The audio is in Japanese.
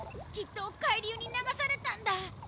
きっと海流に流されたんだ。